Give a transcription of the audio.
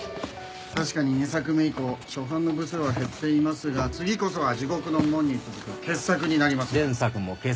確かに２作目以降初版の部数は減っていますが次こそは『地獄の門』に続く傑作になりますので。